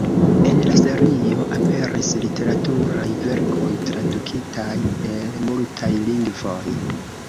En la serio aperis literaturaj verkoj, tradukitaj el multaj lingvoj.